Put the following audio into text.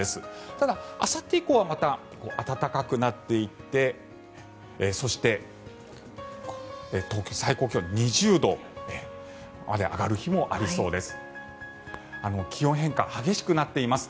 ただ、あさって以降はまた暖かくなっていってそして東京、最高気温２０度まで上がる日もありそうです。